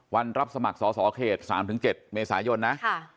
รับสมัครสอสอเขต๓๗เมษายนนะ